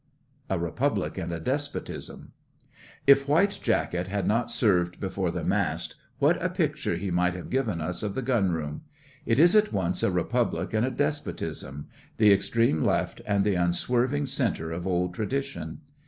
A REPUBLIC AND A DESPOTISM If 'White Jacket' had not served before the mast, what a picture he might have given us of the Gunroom! It is at once a Republic and a Despotism—the Extreme Left and the unswerving Centre of old tradition.